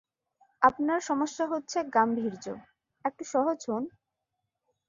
আপনার সমস্যা হচ্ছে-গাষ্ঠীর্য একটু সহজ হোন।